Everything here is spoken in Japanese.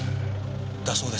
だそうです。